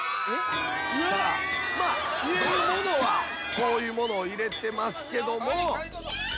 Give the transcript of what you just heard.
まあ入れるものはこういうものを入れてますけども。